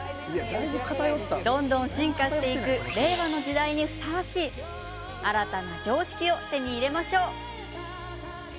どんどん進化していく令和の時代にふさわしい新たな常識を手に入れましょう。